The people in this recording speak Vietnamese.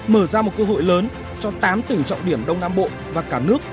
mở ra một cơ hội lớn cho tám tỉnh trọng điểm đông nam bộ và cả nước